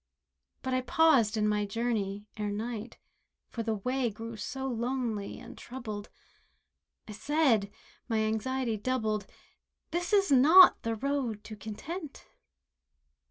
But I paused in my journey ere night, For the way grew so lonely and troubled; I said—my anxiety doubled— "This is not the road to Content."